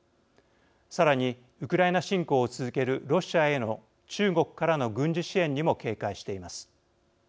さらに、ウクライナ侵攻を続けるロシアへの中国からの軍事支援にも警戒しています。